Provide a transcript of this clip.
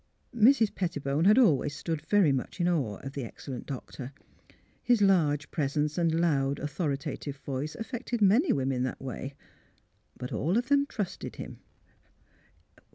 Mrs. Pettibone had always stood very much in awe of the excellent doctor. His large pres ence and loud authoritative voice affected many women that way. But all of them trusted him.